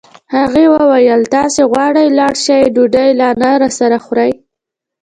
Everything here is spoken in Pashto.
هغې وویل: تاسي غواړئ ولاړ شئ، ډوډۍ لا نه راسره خورئ.